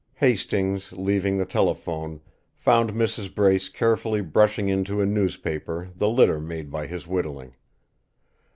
Hastings, leaving the telephone, found Mrs. Brace carefully brushing into a newspaper the litter made by his whittling.